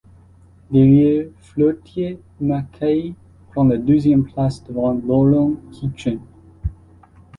Derrière Floortje Mackaij prend la deuxième place devant Lauren Kitchen.